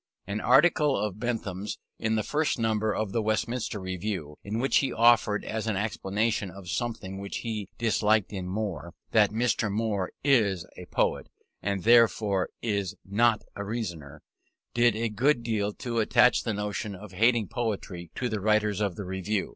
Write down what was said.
An article of Bingham's in the first number of the Westminster Review, in which he offered as an explanation of something which he disliked in Moore, that "Mr. Moore is a poet, and therefore is not a reasoner," did a good deal to attach the notion of hating poetry to the writers in the Review.